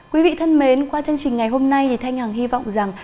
quý vị thân mến qua chương trình ngày hôm nay thì thanh hằng hy vọng rằng